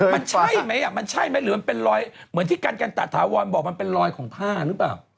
มันใช่ไหมมันใช่ไหมหรือมันเป็นรอยเหมือนที่กันกันตะถาวรบอกมันเป็นรอยของผ้าหรือเปล่า